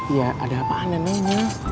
ya ada apaanan aja